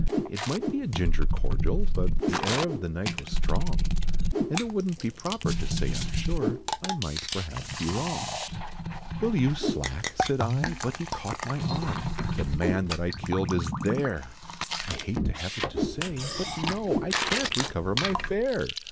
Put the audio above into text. It might be a ginger cordial; but The air of the night was strong, And it wouldn't be proper to say I'm sure, I might perhaps be wrong. "Will you slack?" said I, but he caught my arm "The man that I killed is there! I hate to have it to say. But no, I can't recover my fare!